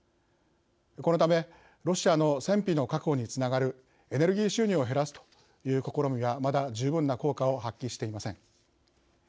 このためロシアの戦費の確保につながるエネルギー収入を減らすという試みはまだ十分の効果を発揮していません。